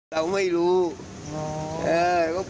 เราไม่รู้เขาจะไปแล้วนะ